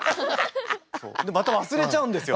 また忘れちゃうんですよ。